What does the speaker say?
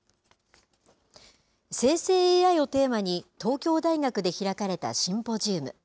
生成ＡＩをテーマに東京大学で開かれたシンポジウム。